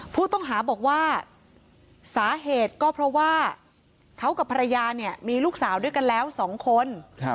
ผู้ต้องหาบอกว่าสาเหตุก็เพราะว่าเขากับภรรยาเนี่ยมีลูกสาวด้วยกันแล้ว๒คน